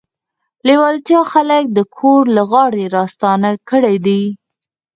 لېوالتیا خلک د ګور له غاړې راستانه کړي دي